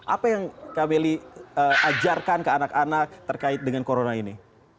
apa yang kak welly ajarkan ke anak anak terkait dengan corona ini